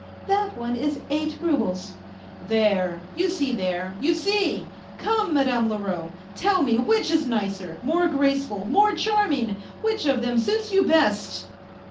" That one is eight roubles." " There, you see there, you see I Come, Madame Leroux, tell me which is nicer, more graceful, more charming, which of them suits you best